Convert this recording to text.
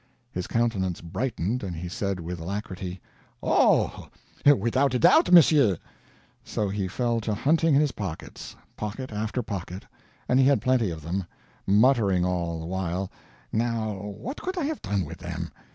His countenance brightened, and he said with alacrity: "Oh, without doubt, monsieur!" So he fell to hunting in his pockets pocket after pocket, and he had plenty of them muttering all the while, "Now, what could I have done with them?"